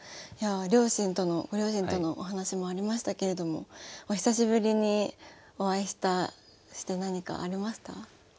いやあご両親とのお話もありましたけれどもお久しぶりにお会いして何かありました？